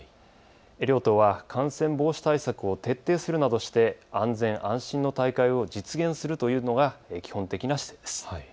両党は感染防止対策を徹底するなどして安全安心な大会を実現するというのが基本的な姿勢です。